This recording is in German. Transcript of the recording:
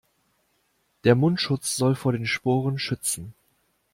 Der Mundschutz soll vor den Sporen schützen.